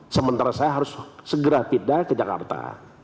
sementara saya harus segera pindah ke jakarta